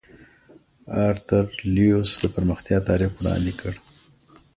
ارتر لیوس د پرمختیا تعریف وړاندې کړ.